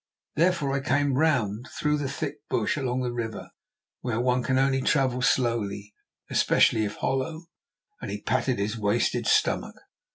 Therefore I came round through the thick bush along the river, where one can only travel slowly, especially if hollow," and he patted his wasted stomach.